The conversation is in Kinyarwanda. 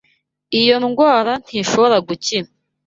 Iyo ndwara ntishobora gukira.